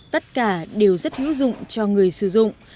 tất cả đều rất hữu dụng cho người sử dụng